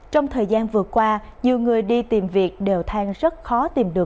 trong thời gian vừa qua nhiều người đi tìm việc đều thang rất khó tìm được